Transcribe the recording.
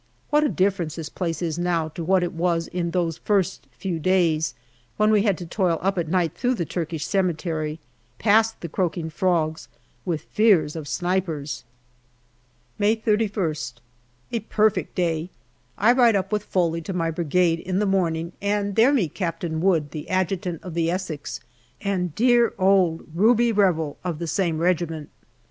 What a difference this place is now to what it was in those first few days, when we had to toil up at night through the Turkish cemetery, past the croaking frogs, with fears of snipers. 112 GALLIPOLI DIARY May 31st. A perfect day. I ride up with Foley to my Brigade in the morning, and there meet Captain Wood, the Adjutant of the Essex, and dear old Ruby Revel, of the same regiment.